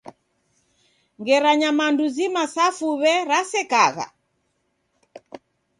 Ngera nyamandu zima sa fuw'e rasekagha?